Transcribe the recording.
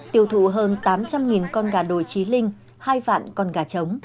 tiêu thụ hơn tám trăm linh con gà đồi trí linh hai vạn con gà trống